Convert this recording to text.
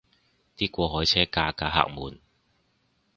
啲過海車架架客滿